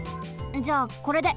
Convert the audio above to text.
じゃあこれで。